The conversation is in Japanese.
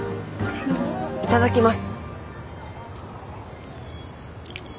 いただきます。